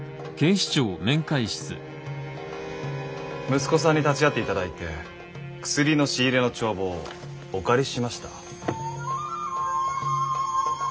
息子さんに立ち会っていただいて薬の仕入れの帳簿をお借りしました。